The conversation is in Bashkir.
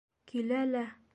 - Килә лә...